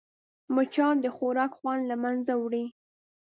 مچان د خوراک خوند له منځه وړي